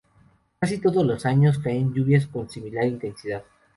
Casi todos los años caen lluvias con similar intensidad